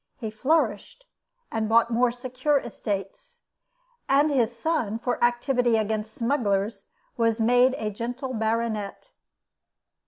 He flourished, and bought more secure estates; and his son, for activity against smugglers, was made a gentle baronet.